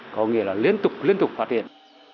có nghĩa là liên tục liên tục phát triển